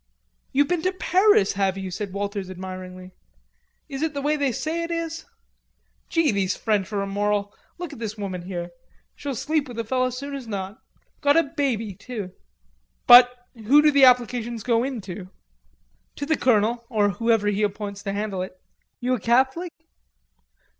"You've been to Paris, have you?" said Walters admiringly. "Is it the way they say it is? Gee, these French are immoral. Look at this woman here. She'll sleep with a feller soon as not. Got a baby too!" "But who do the applications go in to?" "To the colonel, or whoever he appoints to handle it. You a Catholic?"